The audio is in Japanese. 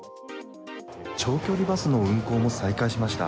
長距離バスの運行も再開しました。